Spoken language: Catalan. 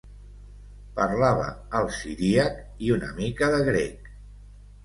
Parlava el siríac i una mica de grec.